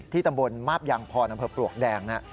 ที่ตำบลมาบอย่างพอนำเผลอปลวกแดงน่ะ